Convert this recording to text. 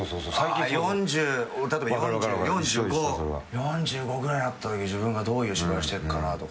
４５ぐらいになったとき自分がどういう芝居してるかな？とか。